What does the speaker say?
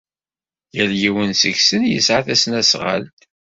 Yal yiwen seg-sen yesɛa tasnasɣalt.